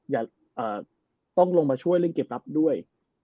อย่าต้องลงมาช่วยเรื่องเก็บรับด้วย